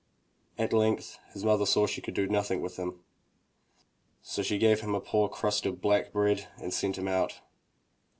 At length his mother saw she could do nothing with him, so she gave him a poor crust of black bread and sent him out.